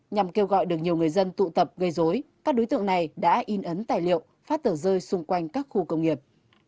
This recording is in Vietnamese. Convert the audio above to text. nhằm kêu gọi được nhiều người dân tụ tập gây dối các đối tượng này đã in ấn tài liệu phát tờ rơi xung quanh các khu công nghiệp